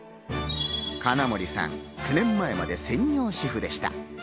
金森さん、９年前まで専業主婦でした。